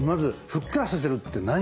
ふっくらさせるは？